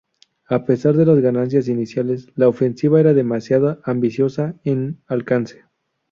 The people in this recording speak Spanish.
A pesar de las ganancias iniciales, la ofensiva era demasiado ambiciosa en alcance.